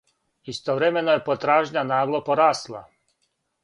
Истовремено је потражња нагло порасла.